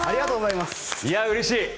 いやあ、うれしい。